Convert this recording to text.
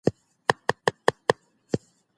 لري. له همدې امله مهرباني وکړئ، د دښمنانو په